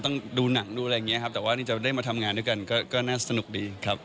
แต่ว่านี่จะได้มาทำงานด้วยกันก็น่าสนุกดีครับ